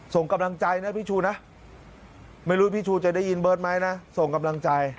ส่งกำลังใจนะพี่ชูนะ